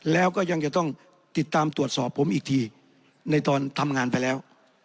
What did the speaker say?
แล้วก็ยังจะต้องติดตามตรวจสอบผมอีกทีในตอนทำงานไปแล้ว